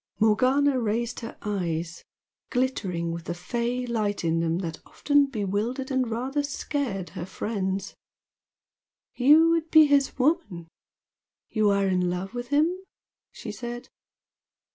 Morgana raised her eyes, glittering with the "fey" light in them that often bewildered and rather scared her friends. "You would be his woman? You are in love with him?" she said.